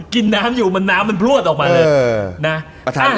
กินน้ำอยู่น้ำมันพลวดออกมาเลยนะ